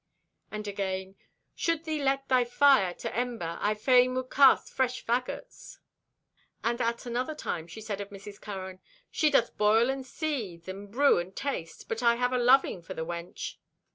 And again: "Should thee let thy fire to ember I fain would cast fresh faggots." And at another time she said of Mrs. Curran: "She doth boil and seethe, and brew and taste, but I have a loving for the wench."